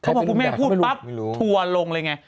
พอคุณแม่พูดปั๊บทัวร์ลงเลยไง